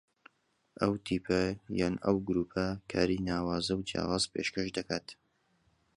ئەو تیپە یان ئەو گرووپە کاری ناوازە و جیاواز پێشکەش دەکات